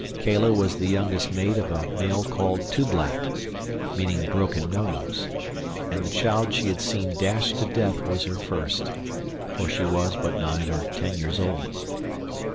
Kala was the youngest mate of a male called Tublat, meaning broken nose, and the child she had seen dashed to death was her first; for she was but nine or ten years old.